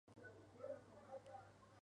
¡Que sabremos cumplir!